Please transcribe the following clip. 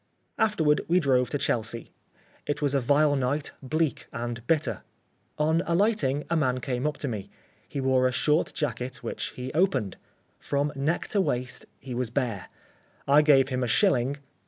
Afterward we drove to Chelsea. It was a vile night, bleak and bitter. On alighting, a man came up to me. He wore a short jacket which he opened. From neck to waist he was bare. I gave him a shilling.